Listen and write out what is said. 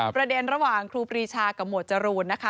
ประเด็นระหว่างครูปรีชากับหมวดจรูนนะคะ